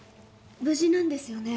無事なんですよね？